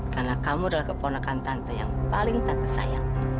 karena kamu adalah keponakan tante yang paling tante sayang